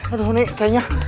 aduh nih kayaknya